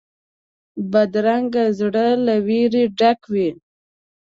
بدرنګه زړه له وېرې ډک وي